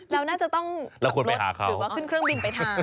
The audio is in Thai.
เราน่าจะต้องรถหรือว่าขึ้นเครื่องบินไปทาน